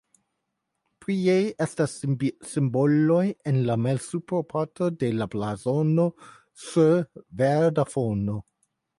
Prie estas simboloj en la malsupra parto de la blazono sur verda fono.